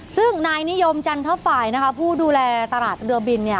ซึ่งนายนิยมจันทฝ่ายนะคะผู้ดูแลตลาดเรือบินเนี่ย